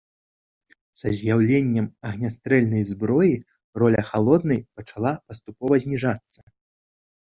Са з'яўленнем агнястрэльнай зброі роля халоднай пачала паступова зніжацца.